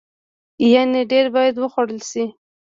يعنې ډیر باید وخوړل شي.